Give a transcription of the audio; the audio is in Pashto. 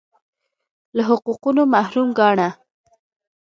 له حقونو محروم ګاڼه